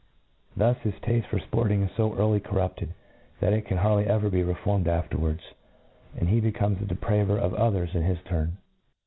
Thus his tafte for fporting is fo early corrupted, that it can hardly ever be reformed afterwards ; and he be* comes the depraver of others in his tutn.